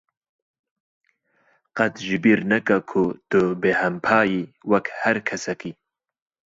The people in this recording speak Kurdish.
Qet ji bîr neke ku tu bêhempa yî, wek her kesekî.